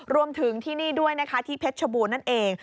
รวมถึงที่นี่ด้วยนะคะที่เพชรชบูรณนั่นเอง